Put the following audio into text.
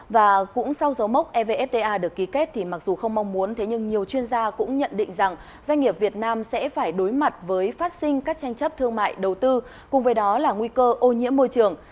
và cũng sau dấu mốc evfta được ký kết thì mặc dù không mong muốn thế nhưng nhiều chuyên gia cũng nhận định rằng doanh nghiệp việt nam sẽ phải đối mặt với phát sinh các tranh chấp thương mại đầu tư cùng với đó là nguy cơ ô nhiễm môi trường